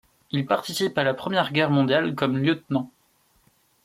Il participe à la Première Guerre mondiale comme lieutenant.